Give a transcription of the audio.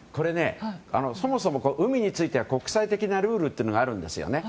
そもそも海については国際的なルールがあるんですね。